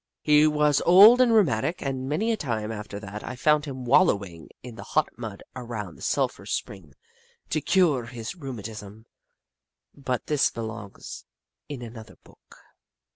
He was old and rheumatic, and many a time, after that, I found him wallowing in the hot mud around the sulphur spring to cure his rheumatism, but this belongs in another book.